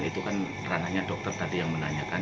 itu kan ranahnya dokter tadi yang menanyakan